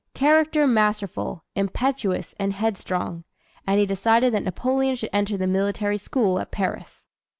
"Character masterful, impetuous and headstrong"; and he decided that Napoleon should enter the Military School at Paris.